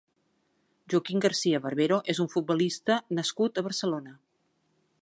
Joaquín García Barbero és un futbolista nascut a Barcelona.